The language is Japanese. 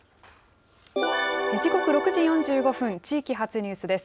時刻６時４５分、地域発ニュースです。